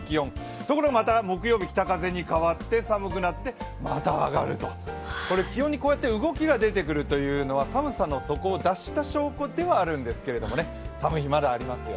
ところがまた木曜日は北風に変わって寒くなってまた上がると気温にこうやって動きが出てくるというのは寒さの底を出した証拠ではあるんですけど寒い日、まだありますよ。